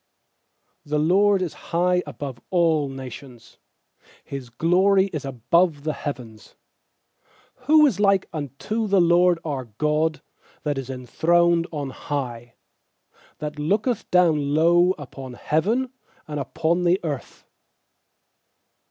4The LORD is high above all nations, His glory is above the heavens. 5Who is like unto the LORD our God, That is enthroned on high, 6That looketh down low Upon heaven and upon the earth?